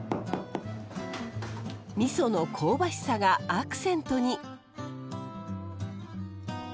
みその香ばしさがアクセントに。